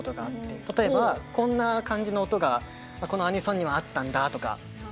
例えば、こんな感じの音がこのアニソンにはあったんだとか。